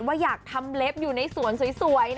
ว่าอยากทำเล็บอยู่ในสวนสวย